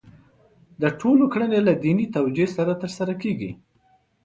د ټولو کړنې له دیني توجیه سره ترسره کېږي.